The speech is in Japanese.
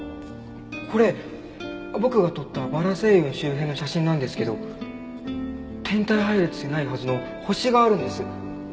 これ僕が撮ったバラ星雲周辺の写真なんですけど天体配列にないはずの星があるんです。